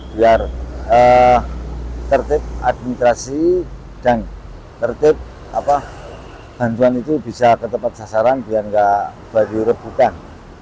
biar tertib administrasi dan tertib bantuan itu bisa ke tempat sasaran biar tidak dibutuhkan